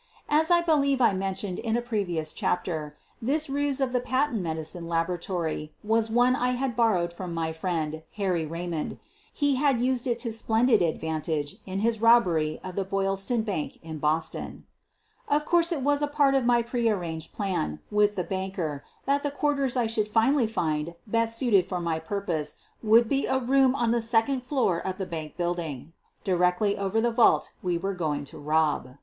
As I believe I mentioned in a previous chapter, this! ruse of the patent medicine laboratory was one I had borrowed from my friend, Harry Raymond — he had used it to splendid advantage in his robbery of the Boylston Bank in Boston. 132 SOPHIE LYONS Of course, it was a part of my prearranged plan with the banker that the quarters I should finally find best suited for my purpose would be a room on the second floor of the bank building, directly over; the vault we were going to rob.